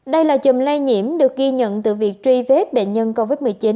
đây là chùm lây nhiễm được ghi nhận từ việc truy vết bệnh nhân covid một mươi chín